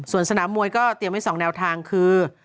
ส่วนสนามมวยก็เตรียมไว้๒แนวทางคือ